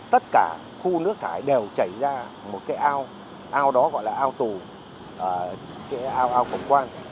tất cả khu nước thải đều chảy ra một cái ao ao đó gọi là ao tù